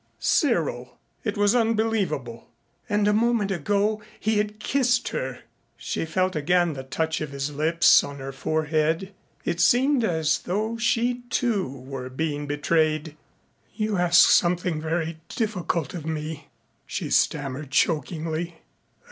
Cyril! It was unbelievable.... And a moment ago he had kissed her. She felt again the touch of his lips on her forehead.... It seemed as though she too were being betrayed. "You ask something very difficult of me," she stammered chokingly.